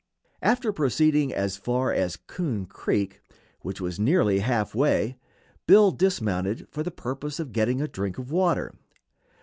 After proceeding as far as Coon Creek, which was nearly half way, Bill dismounted for the purpose of getting a drink of water.